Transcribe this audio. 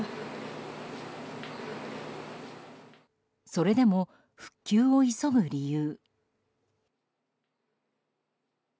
それでも復旧を急ぐ理由。